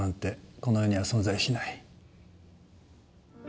この世には存在しない。